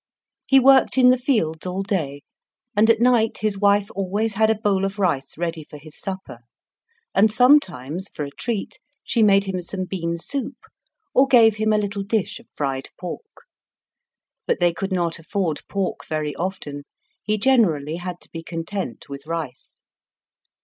He worked in the fields all day, and at night his wife always had a bowl of rice ready for his supper. And sometimes, for a treat, she made him some bean soup, or gave him a little dish of fried pork. But they could not afford pork very often; he generally had to be content with rice.